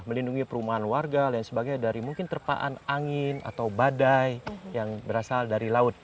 melindungi perumahan warga dan sebagainya dari mungkin terpaan angin atau badai yang berasal dari laut